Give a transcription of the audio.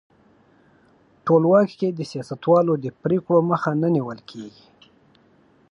ټولواک کې د سیاستوالو د پرېکړو مخه نه نیول کیږي.